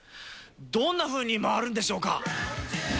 どんなふうに回るんでしょうか。